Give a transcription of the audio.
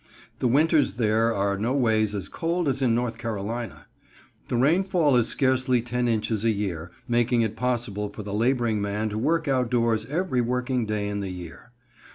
The winters there are no ways as cold as in North Carolina. The rainfall is scarcely ten inches a year, making it possible for the laboring man to work out doors every working day in the year.